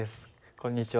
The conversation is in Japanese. こんにちは。